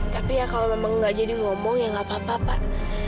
tapi ya kalau memang nggak jadi ngomong ya nggak apa apa pak